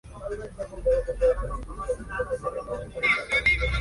Se encuentran muy amenazadas por la destrucción de su hábitat.